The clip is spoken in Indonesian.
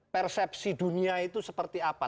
persepsi dunia itu seperti apa